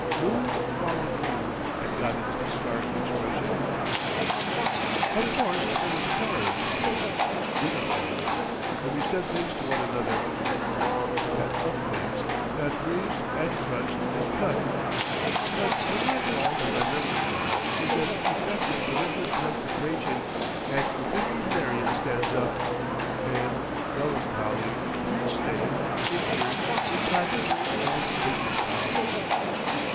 Mood followed mood and got its stark expression. Of course there was quarreling between us, bitter quarreling, and we said things to one another—long pent up things that bruised and crushed and cut. But over it all in my memory now is an effect of deliberate confrontation, and the figure of Marion stands up, pale, melancholy, tear stained, injured, implacable and dignified.